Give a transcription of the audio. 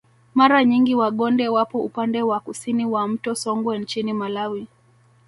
Mara nyingi Wagonde wapo upande wa kusini wa mto Songwe nchini Malawi